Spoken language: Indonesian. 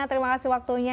terima kasih waktunya